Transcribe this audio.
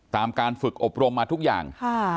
การฝึกอบรมมาทุกอย่าง